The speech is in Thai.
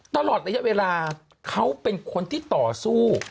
ตลอดระยะเวลาเขาเป็นคนที่ต่อสู้